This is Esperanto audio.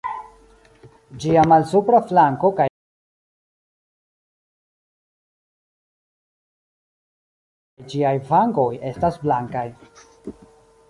Ĝia malsupra flanko kaj ĝiaj vangoj estas blankaj.